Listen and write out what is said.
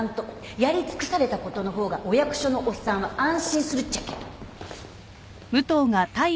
やり尽くされたことの方がお役所のおっさんは安心するっちゃけん。